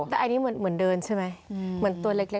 แต่อันนี้เหมือนเดินใช่ไหมเหมือนตัวเล็ก